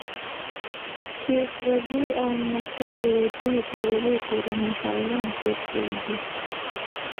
شېخ رضي او نصر لودي د ېوې کورنۍ شاعران تېر سوي دي.